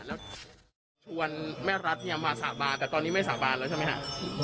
แล้วชวนแม่รัฐเนี่ยมาสาบานแต่ตอนนี้ไม่สาบานแล้วใช่ไหมฮะ